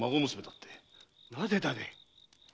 なぜだね？